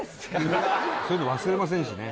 そういうの忘れませんしね